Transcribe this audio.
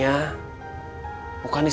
kamu gak tau kan